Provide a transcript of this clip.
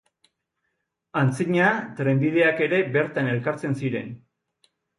Antzina, trenbideak ere bertan elkartzen ziren.